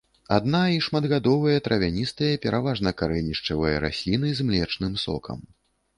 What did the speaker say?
Адна- і шматгадовыя травяністыя, пераважна карэнішчавыя расліны з млечным сокам.